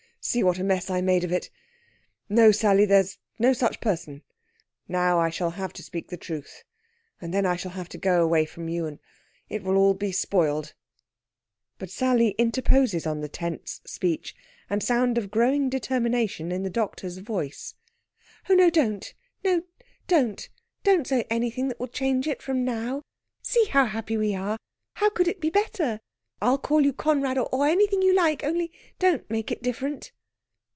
See what a mess I made of it! No, Sally, there's no such person. Now I shall have to speak the truth, and then I shall have to go away from you, and it will all be spoiled...." But Sally interposes on the tense speech, and sound of growing determination in the doctor's voice: "Oh no, don't no, don't! Don't say anything that will change it from now. See how happy we are! How could it be better? I'll call you Conrad, or anything you like. Only, don't make it different."